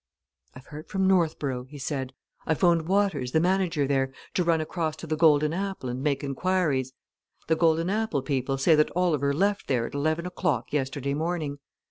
"I've heard from Northborough," he said. "I 'phoned Waters, the manager there, to run across to the 'Golden Apple' and make inquiries. The 'Golden Apple' people say that Oliver left there at eleven o'clock yesterday morning.